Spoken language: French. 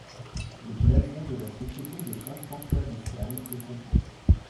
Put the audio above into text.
Le blason de la Société de saint François de Sales est complexe.